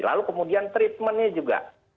lalu kemudian treatmentnya juga